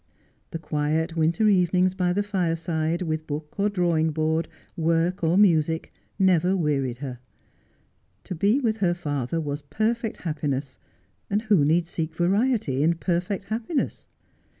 The quiet winter evenings by the iireside, with book, or drawing board, work or music, never wearied her. To be with her father was perfect happiness, and who need seek variety in perfect happiness.